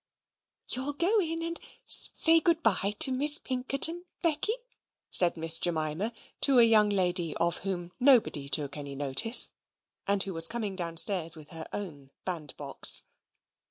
"You'll go in and say good by to Miss Pinkerton, Becky!" said Miss Jemima to a young lady of whom nobody took any notice, and who was coming downstairs with her own bandbox.